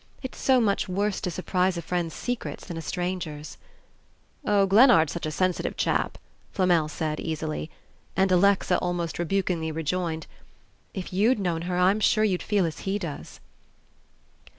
It's so much worse to surprise a friend's secrets than a stranger's." "Oh, Glennard's such a sensitive chap," Flamel said, easily; and Alexa almost rebukingly rejoined, "If you'd known her I'm sure you'd feel as he does...."